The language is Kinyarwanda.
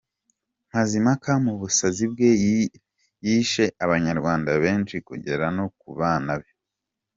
Mazimpaka mu busazi bwe yishe abanyarwanda benshi kugera no ku bana be.